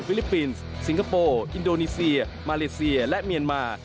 ลิปปินส์สิงคโปร์อินโดนีเซียมาเลเซียและเมียนมา